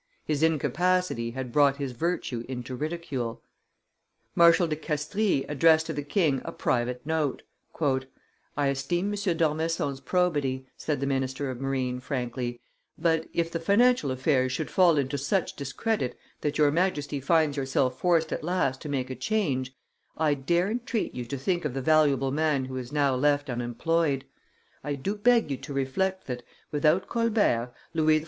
His incapacity had brought his virtue into ridicule. Marshal de Castries addressed to the king a private note. "I esteem M. d'Ormesson's probity," said the minister of marine frankly, "but if the financial affairs should fall into such discredit that your Majesty finds yourself forced at last to make a change, I dare entreat you to think of the valuable man who is now left unemployed; I do beg you to reflect that, without Colbert, Louis XIV.